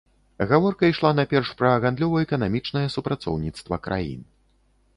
Гаворка ішла найперш пра гандлёва-эканамічнае супрацоўніцтва краін.